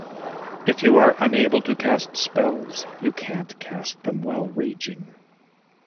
If you are able to cast spells, you can’t cast them while raging.